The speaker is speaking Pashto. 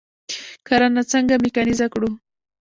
کرنه څنګه میکانیزه کړو؟